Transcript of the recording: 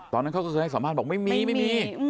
ตอนนั้นเข้าส่วนใหญ่สามารถบอกไม่มีไม่มี